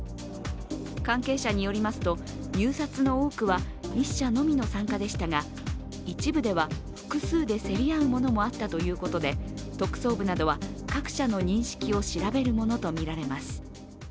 関係者によりますと入札の多くは１社のみの参加でしたが一部では複数で競り合うものもあったということで特捜部などは各社の認識を調べるものとみられます。